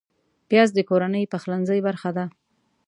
پیاز د کورنۍ پخلنځي برخه ده